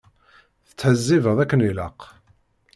Tettḥezzibeḍ akken ilaq.